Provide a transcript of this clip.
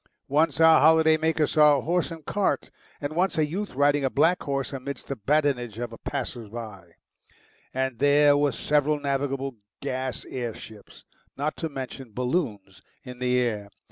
Once our holiday makers saw a horse and cart, and once a youth riding a black horse amidst the badinage of the passersby. And there were several navigable gas air ships, not to mention balloons, in the air.